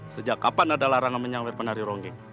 sejak kapan ada larangan menyangkut penari ronggeng